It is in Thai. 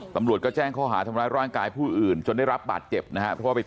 ตำรวจก็แจ้งข้อหาทำร้ายร่างกายผู้อื่นจนได้รับบัตรเจ็บนะครับ